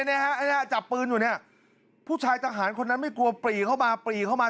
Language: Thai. นี่ฮะจับปืนอยู่เนี่ยผู้ชายทหารคนนั้นไม่กลัวปรีเข้ามาปรีเข้ามา